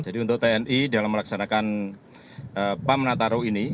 jadi untuk tni dalam melaksanakan pam nataro ini